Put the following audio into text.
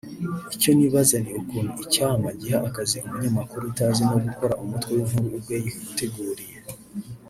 Icyo nibaza ni ukuntu Icyama giha akazi umunyamakuru utazi no gukora umutwe w’inkuru ubwe yiteguriye